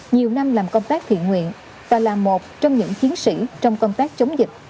nhiều năm làm công tác thiện nguyện và là một trong những chiến sĩ trong công tác chống dịch